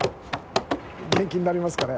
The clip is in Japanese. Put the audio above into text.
・元気になりますかね？